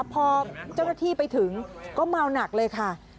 พอเจ้าหน้าที่ไปถึงก็เมาหนักเลยค่ะ